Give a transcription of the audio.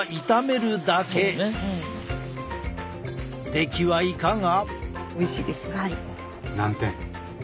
出来はいかが？